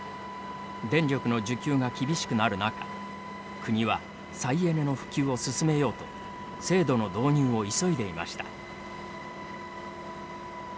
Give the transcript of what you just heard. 電力の需給が厳しくなる中国は、再エネの普及を進めようと制度の導入を急いでいました。